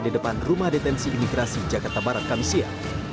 di depan rumah detensi imigrasi jakarta barat kamisia